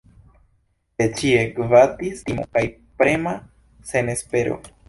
De ĉie gvatis timo kaj prema senespero.